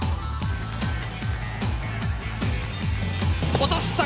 落とした！